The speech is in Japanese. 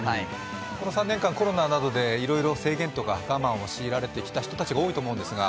この３年間、コロナなどでいろいろ制限とか、我慢を強いられてきた人が多いと思うんですが、